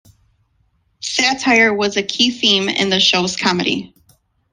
Satire was a key theme in the show's comedy.